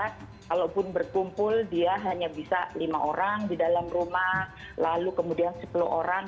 kalaupun berkumpul dia hanya bisa lima orang di dalam rumah lalu kemudian sepuluh orang